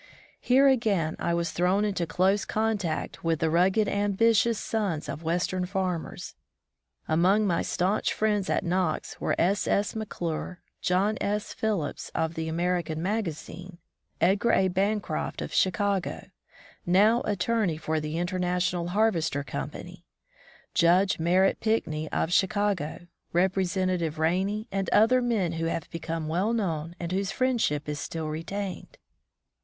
Here, again, I was thrown into close contact with the rugged, ambitious sons of western farmers. Among my stanch friends at Knox were S. S. McClure, John S. Phillips of the American Magazine^ Edgar A. Bancroft of Chicago, now attorney for the International Harvester Company, Judge Merritt Pinckney of Chicago, Representative Rainey, and other men who have become well known and whose friendship is still retained.